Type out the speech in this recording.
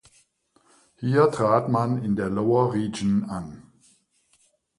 Hier trat man in der Lower Region an.